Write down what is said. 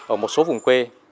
ở một số vùng quê